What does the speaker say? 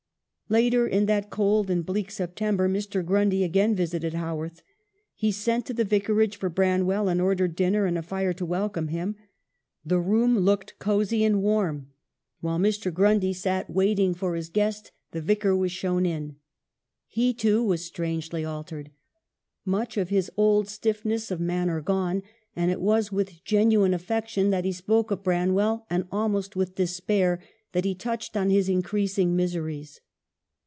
Later in that cold and bleak September Mr. Grundy again visited Haworth. He sent to the Vicarage for Branwell, and ordered dinner and a fire to welcome him ; the room looked cosy and warm. While Mr. Grundy sat waiting for BRANWELUS END. 293 his guest, the Vicar was shown in. He, too, was strangely altered ; much of his old stiffness of manner gone ; and it was with genuine affec tion that he spoke of Branwell, and almost with despair that he touched on his increasing mis eries.